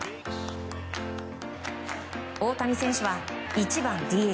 大谷選手は１番ＤＨ。